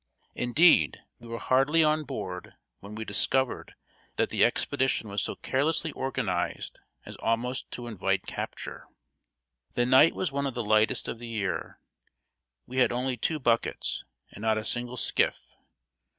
Indeed, we were hardly on board when we discovered that the expedition was so carelessly organized as almost to invite capture. The night was one of the lightest of the year. We had only two buckets, and not a single skiff.